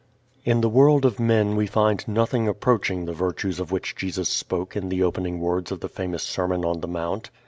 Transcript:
In the world of men we find nothing approaching the virtues of which Jesus spoke in the opening words of the famous Sermon on the Mount.